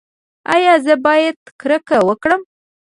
ایا زه باید کرکه وکړم؟